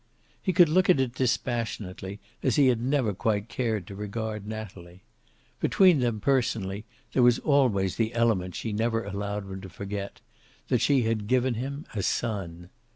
He could look at it dispassionately, as he had never quite cared to regard Natalie. Between them, personally, there was always the element she never allowed him to forget, that she had given him a son.